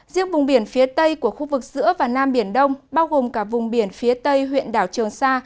riêng vùng biển phía tây của khu vực giữa và nam biển đông bao gồm cả vùng biển phía tây huyện đảo trường sa